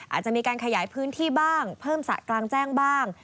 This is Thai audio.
อาจจะมีการขยายพื้นที่บ้างเพิ่มสระกลางแจ้งบ้าง